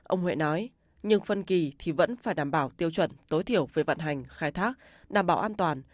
ông huệ nói nhưng phân kỳ thì vẫn phải đảm bảo tiêu chuẩn tối thiểu về vận hành khai thác đảm bảo an toàn